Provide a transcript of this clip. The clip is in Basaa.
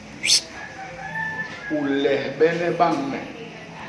U lehbene bañ me.